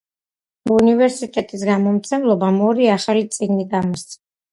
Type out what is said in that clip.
უნივერსიტეტის გამომცემლობამ ორი ახალი წიგნი გამოსცა.